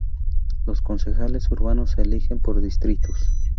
Los concejales urbanos se eligen por distritos.